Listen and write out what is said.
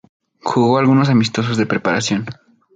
Jugó algunos amistosos de preparación.